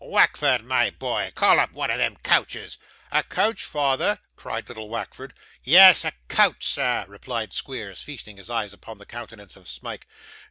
Wackford, my boy, call up one of them coaches.' 'A coach, father!' cried little Wackford. 'Yes, a coach, sir,' replied Squeers, feasting his eyes upon the countenance of Smike.